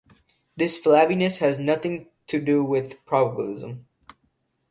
This flabbiness has nothing to do with probabilism.